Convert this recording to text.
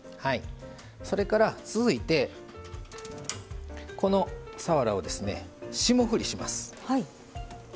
それから、続いて、さわらを霜降りします。